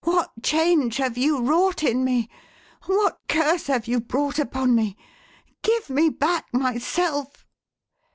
" What change have you wrought in me ? What curse have you brought upon me? Give me back myself!"